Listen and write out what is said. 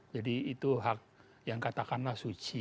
jadi itu hak yang katakanlah suci